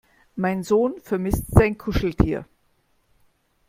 Mein Sohn vermisst sein Kuscheltier.